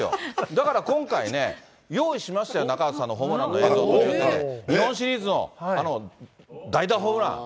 だから今回ね、用意しましたよ、中畑さんのホームランの映像、日本シリーズの、あの代打ホームラン。